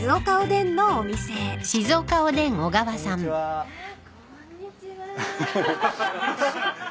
こんにちは。